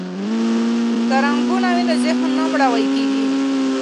که رنګونه وي نو ذهن نه مړاوی کیږي.